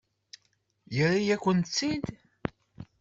Yerra-yakent-tt-id?